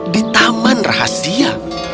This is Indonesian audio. di taman rahasia